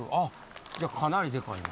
じゃあかなりでかいな。